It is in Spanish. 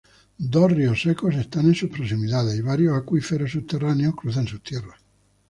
Dos ríos secos están en sus proximidades y varios acuíferos subterráneos cruzan sus tierras.